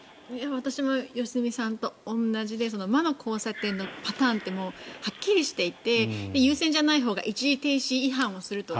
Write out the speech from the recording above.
私も良純さんと同じで魔の交差点のパターンってはっきりしていて優先じゃないほうが一時停止違反をすると。